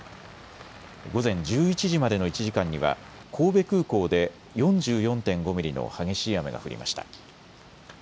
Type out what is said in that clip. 午前１１時までの１時間には神戸空港で４４．５ミリの激しい雨が降りました。